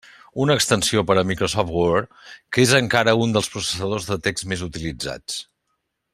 Una extensió per a Microsoft Word, que és encara un dels processadors de text més utilitzats.